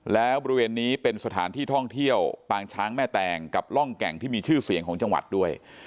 แล้วบริเวณนี้เป็นสถานที่ท่องเที่ยวปางช้างแม่แตงกับร่องแก่งที่มีชื่อเสียงของจังหวัดด้วย